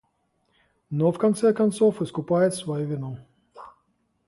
но в конце концов искупает свою вину.